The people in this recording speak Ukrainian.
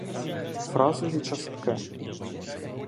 Фразові частки